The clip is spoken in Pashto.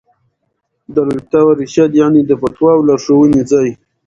دار الافتاء والارشاد، يعني: د فتوا او لارښووني ځای